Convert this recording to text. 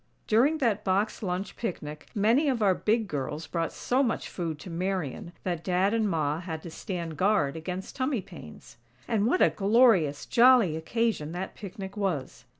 During that box lunch picnic, many of our "big girls" brought so much food to Marian that Dad and Ma had to stand guard against tummy pains. And what a glorious, jolly occasion that picnic was!